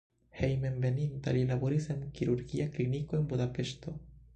Hejmenveninta li laboris en kirurgia kliniko en Budapeŝto.